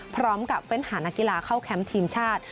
พร้อมกับเฟ้นฐานนักกีฬาเข้าแคมป์ทีมชาติ